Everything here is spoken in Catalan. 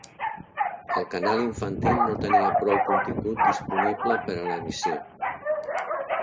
El canal infantil no tenia prou contingut disponible per a l'emissió.